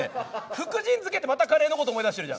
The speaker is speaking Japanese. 福神漬ってまたカレーのこと思い出してるじゃん。